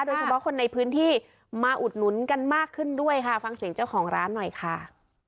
โดยเฉพาะคนในพื้นที่มาอุดหนุนกันมากขึ้นด้วยค่ะฟังเสียงเจ้าของร้านหน่อยค่ะ